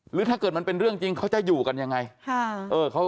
หรือถ้าเกิดมันเป็นเรื่องจริงเขาจะอยู่กันยังไง